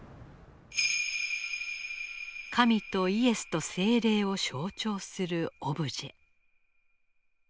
神とイエスと精霊を象徴するオブジェ。